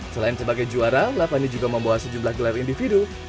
selain sebagai juara lavani juga membawa sejumlah gelar individu